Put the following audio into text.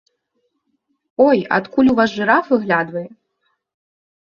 Ой, адкуль у вас жыраф выглядвае!